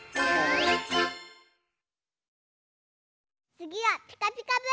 つぎは「ピカピカブ！」。